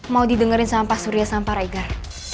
mau didengerin sama pak surya sama pak raigar